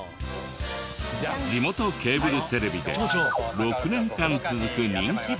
地元ケーブルテレビで６年間続く人気番組。